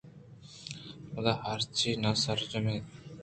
پدا ہرچی ناسرجم اِنت